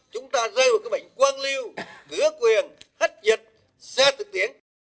chúng ta rơi vào cái bệnh quang lưu cửa quyền hất nhiệt xe tự tiến